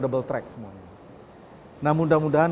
double track semuanya nah mudah mudahan